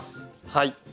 はい。